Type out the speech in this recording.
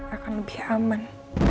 akan lebih aman